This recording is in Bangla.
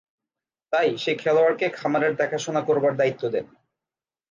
তাই, সে খেলোয়াড়কে খামারের দেখাশোনা করবার দায়িত্ব দেন।